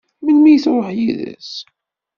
Melmi i tṛuḥ yid-s?